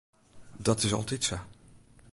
Dat is altyd sa.